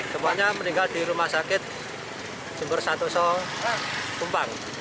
semuanya meninggal di rumah sakit jum'at satoso tumpang